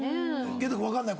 元太君わかんない？